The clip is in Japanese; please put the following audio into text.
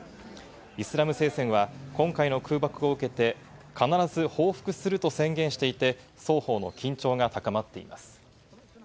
イスラム聖戦は今回の空爆を受けて必ず報復すると宣言していて、双方の緊張が高まっています。